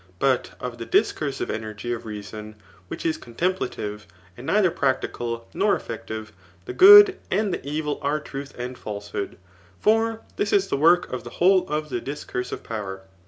But of the discursive energy of reason which is contemplatife, and neither practiced nor effective, the good and the evil are truth and falsehood ; for this is the work of the whole of the discursive power.